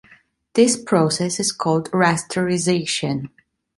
This process is called rasterization.